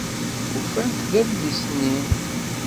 Ufant-d adlis-nni.